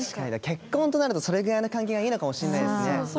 結婚となるとそれぐらいの関係がいいのかもしれないですね。